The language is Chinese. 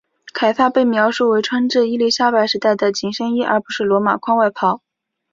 凯撒被描述为穿着伊丽莎白时代的紧身衣而不是罗马宽外袍。